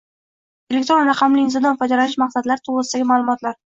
elektron raqamli imzodan foydalanish maqsadlari to‘g‘risidagi ma’lumotlar;